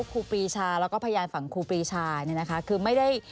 ครูปีชาแล้วก็พยานฝั่งครูปรีชาเนี่ยนะคะคือไม่ได้